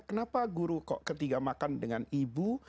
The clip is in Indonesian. kenapa guru kok ketiga makan dengan ibu